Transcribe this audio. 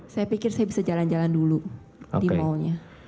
saya pikir saya bisa jalan jalan dulu di mallnya